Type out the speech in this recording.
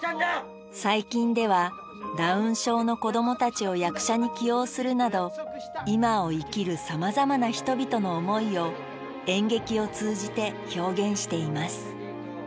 最近ではダウン症の子どもたちを役者に起用するなど今を生きるさまざまな人々の思いを演劇を通じて表現しています